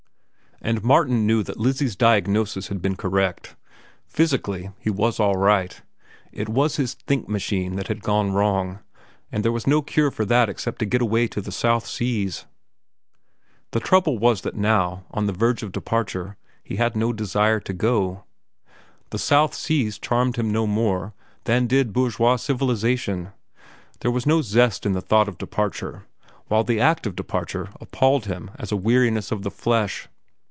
And Martin knew that Lizzie's diagnosis had been correct. Physically he was all right. It was his "think machine" that had gone wrong, and there was no cure for that except to get away to the South Seas. The trouble was that now, on the verge of departure, he had no desire to go. The South Seas charmed him no more than did bourgeois civilization. There was no zest in the thought of departure, while the act of departure appalled him as a weariness of the flesh.